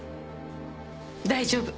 大丈夫。